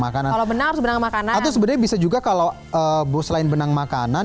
makanan kalau benang harus benang makanan atau sebenarnya bisa juga kalau selain benang makanan